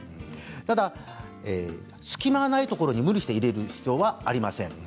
ただ隙間のないところに無理して入れる必要はありません。